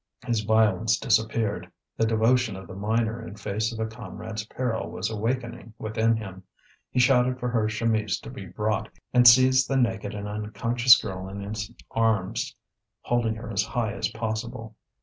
His violence disappeared; the devotion of the miner in face of a comrade's peril was awaking within him. He shouted for her chemise to be brought, and seized the naked and unconscious girl in his arms, holding her as high as possible.